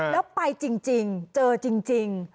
แล้วไปจริงเจอจริง